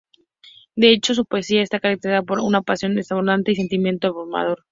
De hecho, su poesía está caracterizada por una pasión desbordante y sentimiento abrumador.